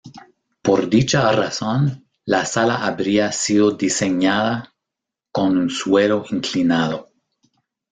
Por dicha razón, la sala habría sido diseñada con un suelo inclinado.